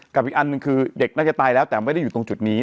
อีกอันหนึ่งคือเด็กน่าจะตายแล้วแต่ไม่ได้อยู่ตรงจุดนี้